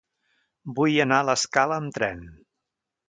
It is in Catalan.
Vull anar a l'Escala amb tren.